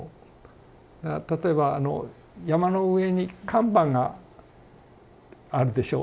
例えばあの山の上に看板があるでしょう